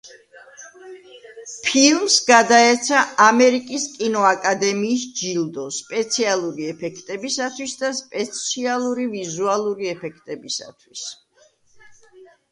ფილმს გადაეცა ამერიკის კინოაკადემიის ჯილდო, სპეციალური ეფექტებისათვის და სპეციალური ვიზუალური ეფექტებისათვის.